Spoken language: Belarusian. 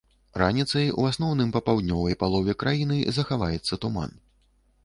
Раніцай у асноўным па паўднёвай палове краіны захаваецца туман.